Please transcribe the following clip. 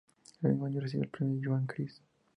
El mismo año recibe el premio Joan Gris.